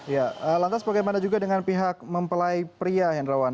ya lantas bagaimana juga dengan pihak mempelai pria hendrawan